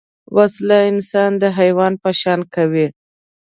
وسله انسان د حیوان په شان کوي